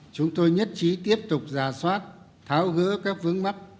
chúng tôi nhất trí tiếp tục giả soát tháo gỡ các vướng mắt